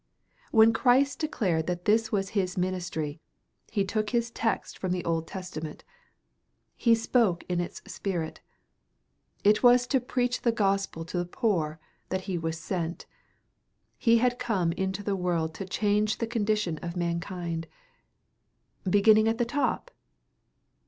When Christ declared that this was his ministry, he took his text from the Old Testament; he spoke in its spirit. It was to preach the gospel to the poor that he was sent. He had come into the world to change the condition of mankind. Beginning at the top?